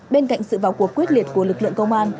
bên cạnh sự vào cuộc quyết liệt của lực lượng công an